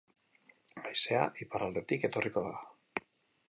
Haizea iparraldetik etorriko da.